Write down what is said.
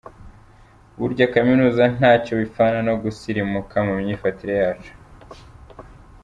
Burya kuminuza ntacyo bipfana no gusirimuka mu myifatire yacu.